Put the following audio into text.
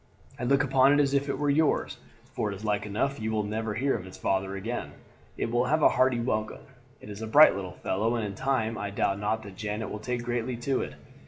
I look upon it as if it were yours, for it is like enough you will never hear of its father again. It will have a hearty welcome. It is a bright little fellow, and in time I doubt not that Janet will take greatly to it.